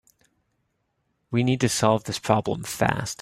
We need to solve this problem fast.